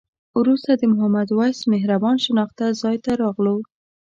وروسته د محمد وېس مهربان شناخته ځای ته راغلو.